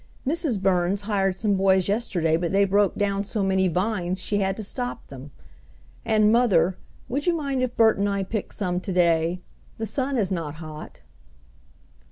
Mrs. Burns hired some boys yesterday, but they broke down so many vines she had to stop them; and, mother, would you mind if Bert and I picked some to day? The sun is not hot."